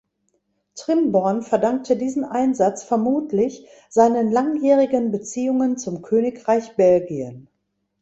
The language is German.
Trimborn verdankte diesen Einsatz vermutlich seinen langjährigen Beziehungen zum Königreich Belgien.